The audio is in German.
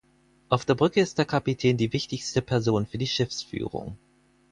Auf der Brücke ist der Kapitän die wichtigste Person für die Schiffsführung.